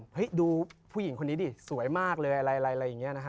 เห้ยดูผู้หญิงคนนี้สวยมากเลยอะไร